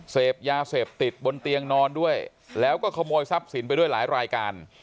เสพยาเสพติดบนเตียงนอนด้วยแล้วก็ขโมยทรัพย์สินไปด้วยหลายรายการ